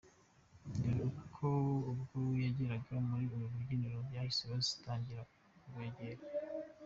Dore ko ubwo bageraga muri uru rubyiniro bahise bastangira kubegera.